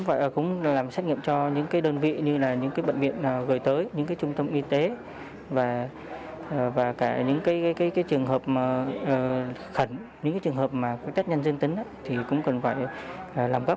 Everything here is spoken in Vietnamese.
và cũng làm xét nghiệm cho những đơn vị như là những bệnh viện gửi tới những trung tâm y tế và cả những trường hợp khẩn những trường hợp test nhanh dân tính thì cũng cần phải làm gấp